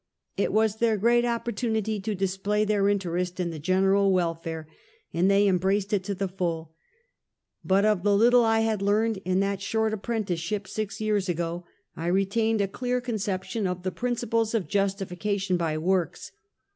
It was their great opportunity to display their interest in the gen eral welfare, and they embraced it to the full ; but of the little I had learned in that short apprenticeship six years ago, I retained a clear conception of the prin ci]jles of justification by works.